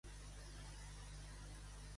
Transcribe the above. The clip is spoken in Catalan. A cabasset.